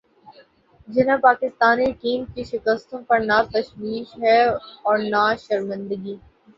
جنہیں پاکستانی ٹیم کی شکستوں پر نہ تشویش ہے اور نہ شرمندگی